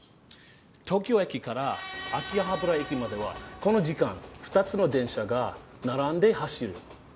東京駅から秋葉原駅まではこの時間２つの電車が並んで走る。